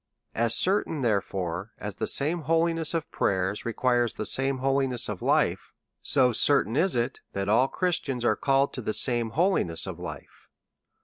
As certain, therefore, as the same holiness of pray ers requires the same holiness of life, so certain is it that all Christians are called to the same holiness of life.